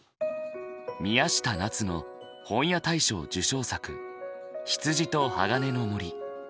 宮下奈都の本屋大賞受賞作「羊と鋼の森」。